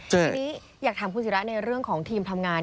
ทีนี้อยากถามคุณศิราในเรื่องของทีมทำงาน